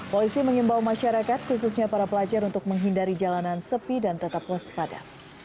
polisi mengimbau masyarakat khususnya para pelajar untuk menghindari jalanan sepi dan tetap waspada